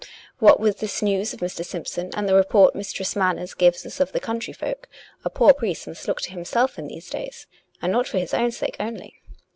What with this news of Mr. Simpson^ and the report Mistress Manners gives us of the country folk, a poor priest must look to himself in these days; and not for his own sake only.